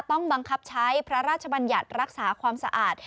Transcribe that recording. ต้องบังคับใช้พระราชบัญญัติรักษาความสะอาด